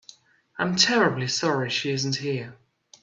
I'm terribly sorry she isn't here.